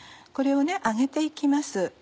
これを揚げて行きます。